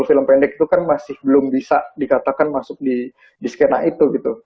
film pendek itu kan masih belum bisa dikatakan masuk di skena itu gitu